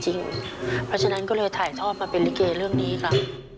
เพราะฉะนั้นก็เลยถ่ายทอดมาเป็นลิเกเรื่องนี้ครับ